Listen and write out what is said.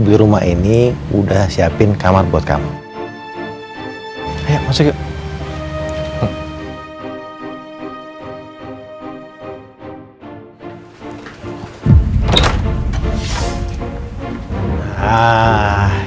beli rumah ini udah siapin kamar buat kamu ya masih